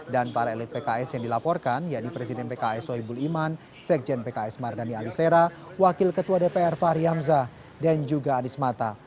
para elit pks yang dilaporkan yaitu presiden pks soebul iman sekjen pks mardani alisera wakil ketua dpr fahri hamzah dan juga anies mata